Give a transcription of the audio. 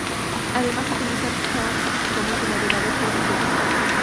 Además, utiliza Chrome como su navegador por defecto.